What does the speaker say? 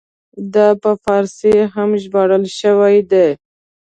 دا په فارسي هم ژباړل شوی دی.